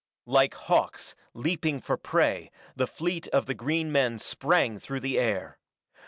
Like hawks, leaping for prey, the fleet of the green men sprang through the air.